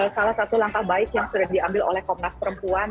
salah satu langkah baik yang sudah diambil oleh komnas perempuan